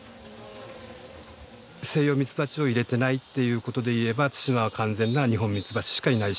セイヨウミツバチを入れてないっていうことで言えば対馬は完全な二ホンミツバチしかいない島です。